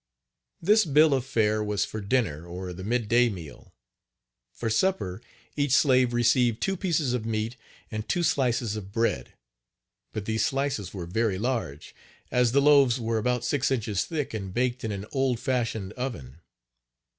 This bill of fare was for dinner or the mid day meal. For supper each slave received two pieces of meat and two slices of bread, but these slices were very large, as the loaves were about six inches thick and baked in an old fashioned oven.